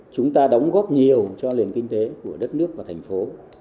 chúng ta đóng góp nhiều cho nền kinh tế của đất nước và thành phố